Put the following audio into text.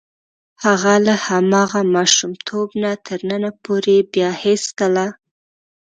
هغه له هماغه ماشومتوب نه تر ننه پورې بیا هېڅکله.